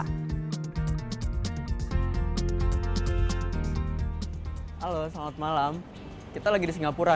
halo selamat malam kita lagi di singapura